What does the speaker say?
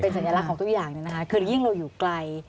สัญลักษณ์ของทุกอย่างเนี่ยนะคะคือยิ่งเราอยู่ไกล